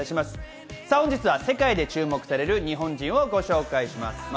本日は世界で注目される日本人をご紹介します。